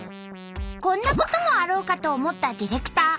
こんなこともあろうかと思ったディレクター。